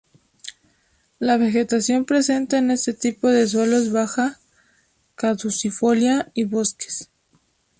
La vegetación presente en este tipo de suelo es baja caducifolia y bosques.